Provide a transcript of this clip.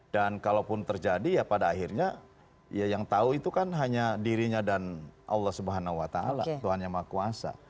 dan kalaupun terjadi ya pada akhirnya ya yang tahu itu kan hanya dirinya dan allah swt tuhan yang maha kuasa